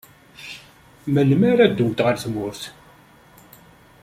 Melmi ara ddunt ɣer tmurt?